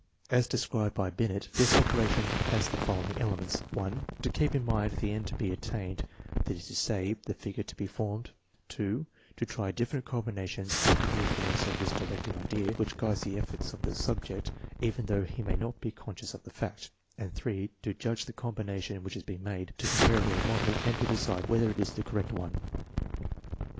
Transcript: As described by Binet, this operation has the following elements: " (1) to keep in mind the end to be attained, that is to say, the figure to be formed; () to try different combinations under the influ ence of this directing idea, which guides the efforts of the subject even though he may not be conscious of the fact; and (3) to judge the combination which has been made, to compare it with the model, and to decide whether it is the correct one."